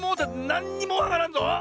なんにもわからんぞ！